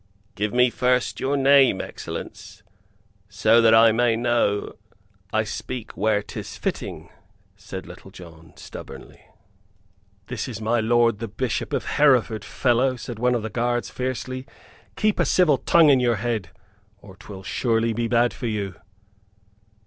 "Give me first your name, excellence, so that I may know I speak where 'tis fitting," said Little John, stubbornly. "This is my lord the Bishop of Hereford, fellow," said one of the guards, fiercely. "Keep a civil tongue in your head, or 'twill surely be bad for you!"